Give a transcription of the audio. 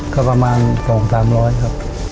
ก็ประมาณสองสามร้อยครับ